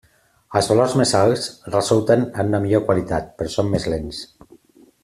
Els valors més alts resulten en una millor qualitat, però són més lents.